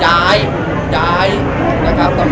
อยู่ให้เขาขนาดที่ออกมา